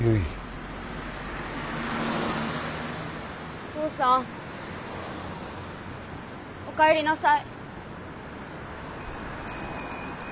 お父さんお帰りなさい。